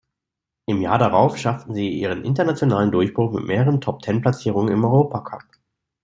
Im Jahr darauf schaffte sie ihren internationalen Durchbruch mit mehreren Top-Ten-Platzierungen im Europacup.